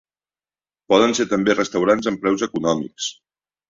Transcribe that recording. Poden ser també restaurants amb preus econòmics.